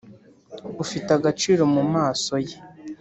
Ufite agaciro mu maso ye